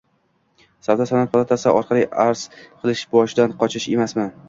Savdo-sanoat palatasi orqali arz qilish bojdan qochish emasmi?